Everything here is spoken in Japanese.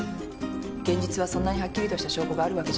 現実はそんなにはっきりとした証拠があるわけじゃない。